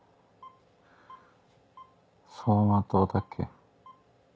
走馬灯だっけ。